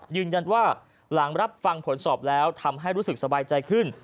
หลังรับฟังผลสอบแล้วทำให้รู้สึกสบายใจขึ้น